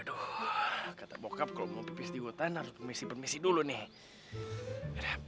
aduh kata bokap kalau mau pipis di hutan harus pemisi permisi dulu nih